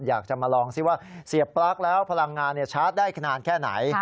อยากจะมาลองซิว่าเสียบปลั๊กแล้วพลังงานชาร์จได้ขนาดแค่ไหน